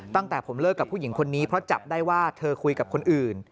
ตั้งแต่ผมเลิกกับผู้หญิงคนนี้เพราะจับได้ว่าเธอคุยกับคนอื่น